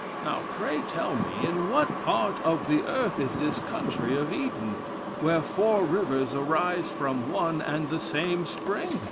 Now, pray tell me in what part of the earth is this country of Eden, where four rivers arise from one and the same spring?